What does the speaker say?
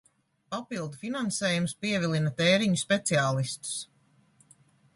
Papildu finansējums pievilina tēriņu speciālistus!